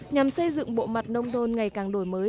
nhằm xây dựng bộ mặt nông thôn ngày càng đổi mới